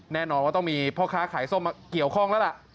แน่นอนว่าต้องมีพ่อค้าขายส้มมาเกี่ยวข้องแล้วล่ะ